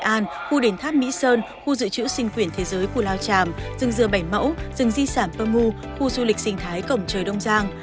an khu đền tháp mỹ sơn khu dự trữ sinh quyển thế giới cù lao tràm rừng dừa bảy mẫu rừng di sản pơ mu khu du lịch sinh thái cổng trời đông giang